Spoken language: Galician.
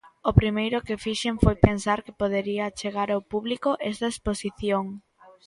O primeiro que fixen foi pensar que podería achegar ao público esta exposición.